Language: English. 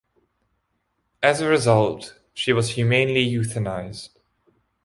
As a result, she was humanely euthanized.